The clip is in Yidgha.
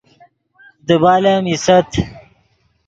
دیبال ام ایست